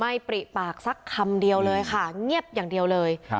ปริปากสักคำเดียวเลยค่ะเงียบอย่างเดียวเลย